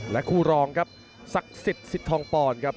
คู่รองครับศักดิ์สิทธิ์สิทธองปอนครับ